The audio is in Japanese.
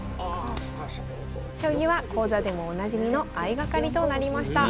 将棋は講座でもおなじみの相掛かりとなりました。